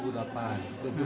kalau yang membutuhkan diri